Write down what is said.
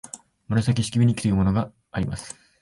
「紫式部日記」というのがあります